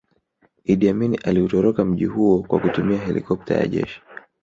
Idi Amin aliutoroka mji huo kwa kutumia helikopta ya jeshi